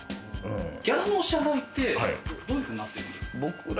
ギャラの支払いってどうなってるんですか？